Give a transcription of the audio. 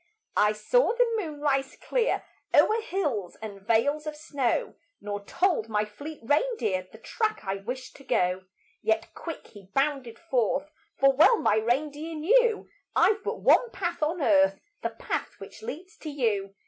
I saw the moon rise clear O'er hills and vales of snow Nor told my fleet reindeer The track I wished to go. Yet quick he bounded forth; For well my reindeer knew I've but one path on earth The path which leads to you.